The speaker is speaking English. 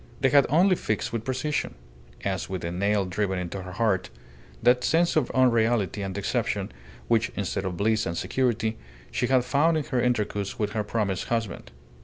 They had only fixed with precision, as with a nail driven into her heart, that sense of unreality and deception which, instead of bliss and security, she had found in her intercourse with her promised husband.